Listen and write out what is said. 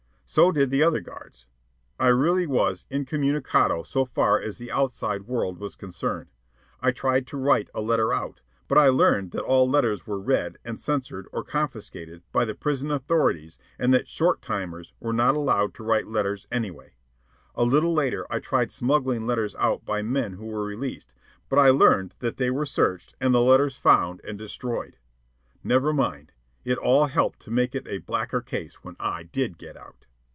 So did the other guards. I really was incommunicado so far as the outside world was concerned. I tried to write a letter out, but I learned that all letters were read, and censured or confiscated, by the prison authorities, and that "short timers" were not allowed to write letters anyway. A little later I tried smuggling letters out by men who were released, but I learned that they were searched and the letters found and destroyed. Never mind. It all helped to make it a blacker case when I did get out.